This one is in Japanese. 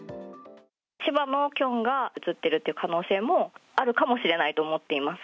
千葉のキョンが移ってるっていう可能性もあるかもしれないと思っています。